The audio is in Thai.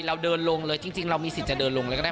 เราเดินลงเลยจริงเรามีสิทธิ์จะเดินลงเลยก็ได้